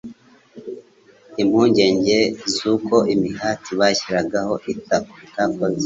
impungeng z'uko imihati bashyiragaho itakoze